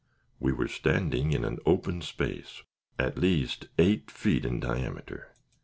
We were standing in an open space, at least eight feet in diameter.